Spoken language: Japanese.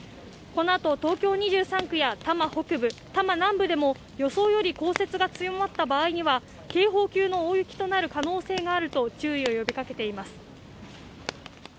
このあと東京２３区や多摩北部、多摩南部でも予想より降雪が強まった場合には警報級の大雪となる可能性があると注意を呼びかけています。